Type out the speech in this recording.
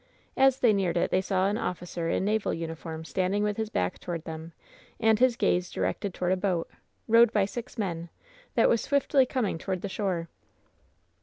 As they neared it they saw an officer in naval uniform standinc)^ with his back toward them, and his gaze di rected toward a boat, rowed by six men, that was swiftly cominfiT toward the shore.